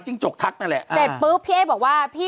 อ๋อฉันเข้าบ้านไม่ได้